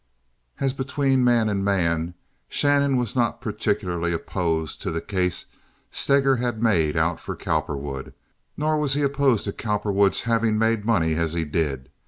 As between man and man, Shannon was not particularly opposed to the case Steger had made out for Cowperwood, nor was he opposed to Cowperwood's having made money as he did.